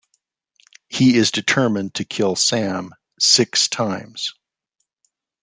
He is determined to kill Sam "six times".